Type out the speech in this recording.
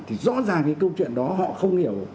thì rõ ràng cái câu chuyện đó họ không hiểu